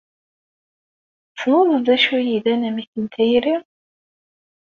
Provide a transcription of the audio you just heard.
Tessneḍ d acu ay d anamek n tayri?